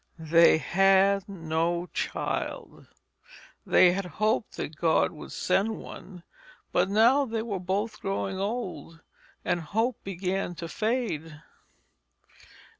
They had no child. They had hoped that God would send one, but now they were both growing old, and hope began to fade.